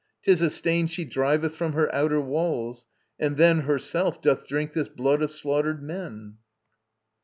'Tis a stain She driveth from her outer walls; and then Herself doth drink this blood of slaughtered men?